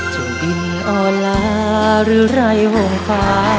จนดินอ่อแล้วหรือไล่ห่องฝา